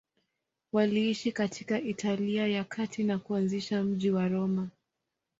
Waliishi katika Italia ya Kati na kuanzisha mji wa Roma.